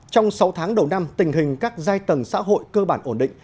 trong sáu tháng đầu năm tình hình các giai tầng xã hội cơ bản ổn định